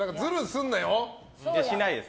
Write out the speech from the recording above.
しないです。